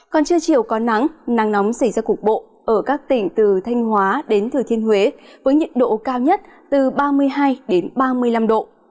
còn trưa chiều có nắng nắng nóng xảy ra cục bộ ở các tỉnh từ thanh hóa đến thừa thiên huế với nhiệt độ cao nhất từ ba mươi hai ba mươi năm độ